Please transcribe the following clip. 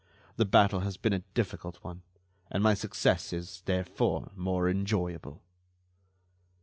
The battle has been a difficult one, and my success is, therefore, more enjoyable."